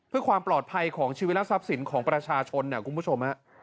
เพื่อความปลอดภัยของชีวิตและทรัพย์สินของประชาชนคุณผู้ชม